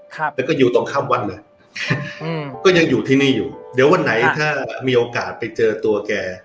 ครับแล้วก็อยู่ตรงข้ามวัดเลยอืมก็ยังอยู่ที่นี่อยู่เดี๋ยววันไหนถ้ามีโอกาสไปเจอตัวแก